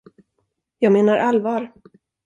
Jag menar allvar.